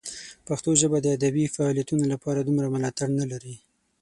پښتو ژبه د ادبي فعالیتونو لپاره دومره ملاتړ نه لري.